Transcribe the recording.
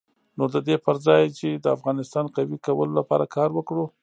نو د دې پر ځای چې د افغانستان قوي کولو لپاره کار وکړو.